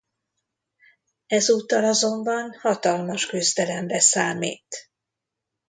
Ezúttal azonban hatalmas küzdelemre számít.